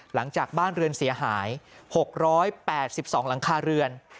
หลังจากบ้านเรือนเสียหายหกร้อยแปดสิบสองหลังคาเรือน